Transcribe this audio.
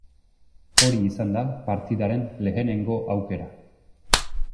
Hori izan da partidaren lehenengo aukera.